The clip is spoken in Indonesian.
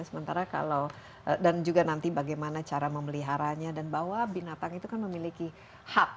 sementara kalau dan juga nanti bagaimana cara memeliharanya dan bahwa binatang itu kan memiliki hak